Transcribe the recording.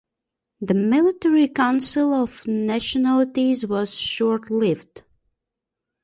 The Military Council of Nationalities was short-lived.